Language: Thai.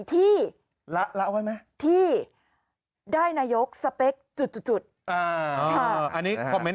ที่ละละไว้ไหมที่ได้นายกสเปคจุดจุดอ่าอันนี้คอมเมนต